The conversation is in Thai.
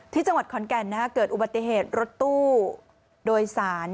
ที่จังหวัดขอนแก่นเกิดอุบัติเหตุรถตู้โดยสาร